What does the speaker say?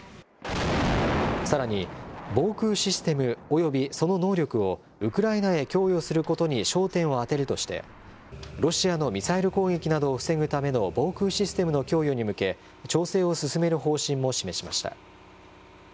さらに、防空システムおよびその能力をウクライナへ供与することに焦点を当てるとして、ロシアのミサイル攻撃などを防ぐための防空システムの供与に向け、調整を進める方針も示しました。